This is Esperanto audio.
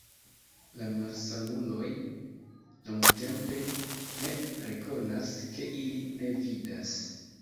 La malsanuloj longtempe ne rekonas, ke ili ne vidas.